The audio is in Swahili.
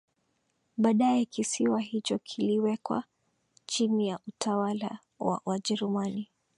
Baadaye kisiwa hicho kiliwekwa chini ya utawala wa Wajerumani